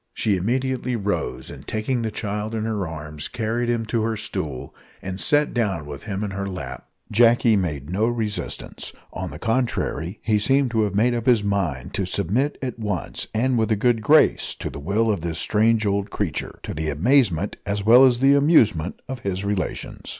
She immediately rose, and taking the child in her arms carried him to her stool, and sat down with him in her lap. Jacky made no resistance; on the contrary, he seemed to have made up his mind to submit at once, and with a good grace, to the will of this strange old creature to the amazement as well as amusement of his relations.